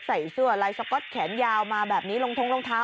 ใส่เสื้ออะไรไซซ์ก็แขนยาวมาแบบนี้ลงทงลงเท้า